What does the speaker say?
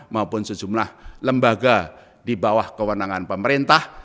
maupun sejumlah lembaga di bawah kewenangan pemerintah